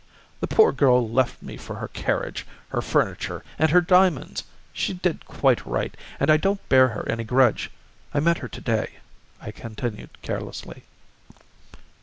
"The poor girl left me for her carriage, her furniture, and her diamonds; she did quite right, and I don't bear her any grudge. I met her to day," I continued carelessly.